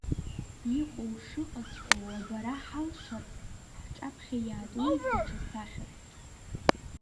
Иҟоу шыҟаҵәҟьоу абара ҳалшар, ҳҿаԥхьа иаатуеит даҽа сахьак…